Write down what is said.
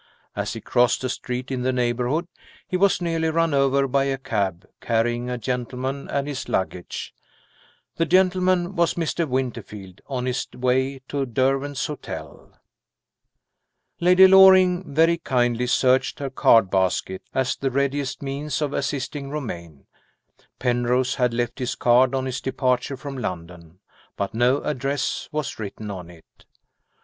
As he crossed a street in the neighborhood, he was nearly run over by a cab, carrying a gentleman and his luggage. The gentleman was Mr. Winterfield, on his way to Derwent's Hotel. Lady Loring very kindly searched her card basket, as the readiest means of assisting Romayne. Penrose had left his card, on his departure from London, but no address was written on it.